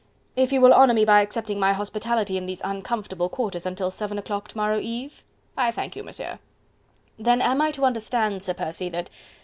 if you will honour me by accepting my hospitality in these uncomfortable quarters until seven o'clock to morrow eve?..." "I thank you, Monsieur..." "Then am I to understand, Sir Percy, that..."